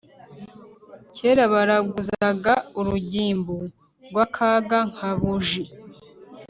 kera baraguzaga urugimbu, rwakaga nka buji